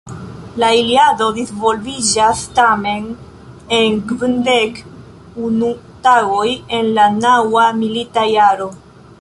La Iliado disvolviĝas tamen en kvindek unu tagoj en la naŭa milita jaro.